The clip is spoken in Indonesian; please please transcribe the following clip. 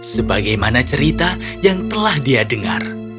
sebagaimana cerita yang telah dia dengar